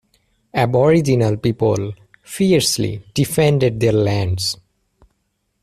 Aboriginal people fiercely defended their lands.